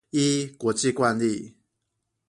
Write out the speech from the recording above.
依國際慣例